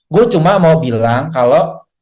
gue cuma mau bilang kalau